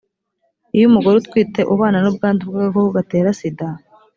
iyo umugore utwite ubana n ubwandu bw agakoko gatera sida